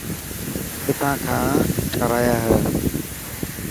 ڪٿان کان ٺاهرايا هي.